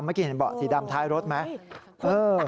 เมื่อกี้เห็นเบาะสีดำท้ายรถไหม